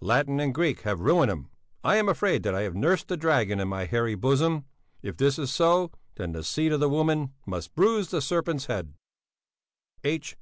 Latin and Greek have ruined him! I am afraid that I have nursed a dragon in my hairy bosom; if this is so, then the seed of the woman must bruise the serpent's head. H.